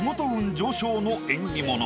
上昇の縁起物。